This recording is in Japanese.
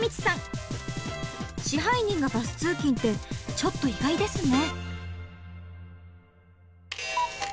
支配人がバス通勤ってちょっと意外ですね。